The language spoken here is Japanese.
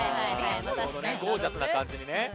ゴージャスな感じにね。